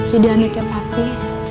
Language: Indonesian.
jadi anaknya papi